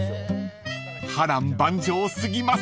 ［波瀾万丈過ぎます］